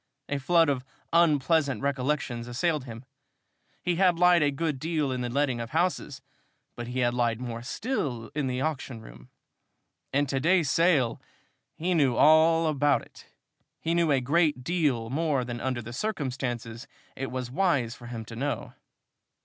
A flood of unpleasant recollections assailed him. He had lied a good deal in the letting of houses, but he had lied more still in the auction room. And to day's sale! He knew all about it! He knew a great deal more than under the circumstances it was wise for him to know!